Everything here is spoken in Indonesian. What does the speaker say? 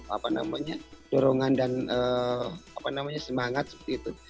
apa namanya dorongan dan semangat seperti itu